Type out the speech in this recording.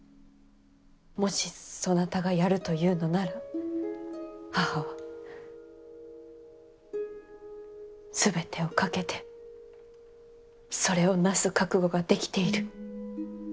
もし、そなたがやるというのなら母は全てを懸けてそれをなす覚悟ができている。